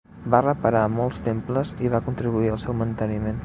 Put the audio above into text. Va reparar molts temples i va contribuir al seu manteniment.